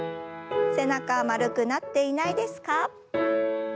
背中丸くなっていないですか？